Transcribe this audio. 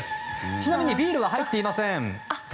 ちなみにビールは入っていません。